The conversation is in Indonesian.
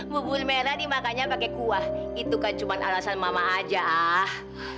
bubur merah dimakannya pakai kuah itu kan cuma alasan mama aja ah